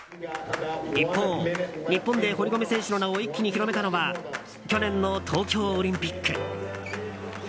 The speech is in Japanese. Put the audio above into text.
一方、日本で堀米選手の名を一気に広めたのは去年の東京オリンピック。